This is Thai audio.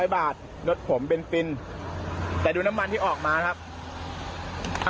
๐บาทรถผมเบนฟินแต่ดูน้ำมันที่ออกมาครับ